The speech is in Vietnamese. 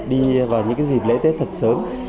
đi vào những dịp lễ tết thật sớm